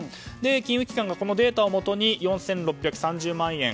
金融機関がこのデータをもとに４６３０万円